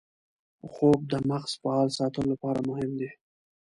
خوب د مغز فعال ساتلو لپاره مهم دی